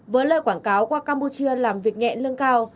với lời quảng cáo qua campuchia làm việc nhẹ lương cao